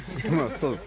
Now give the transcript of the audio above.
そうです。